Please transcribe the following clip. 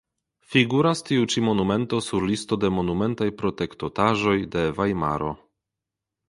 Figuras tiu ĉi monumento sur listo de monumentaj protektotaĵoj de Vajmaro.